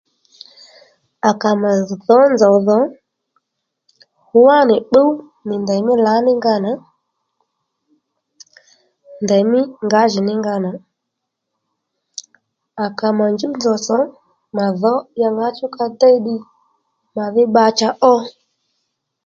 À kà mà dhǒ nzòw dhò wá nì pbúw nì ndèymí lǎní nga nà ndèymí ngǎjìní nga nà à kà mà njúw nzòw tsò mà dhǒ ya ŋǎchú ka déy ddiy màdhí pbacha ó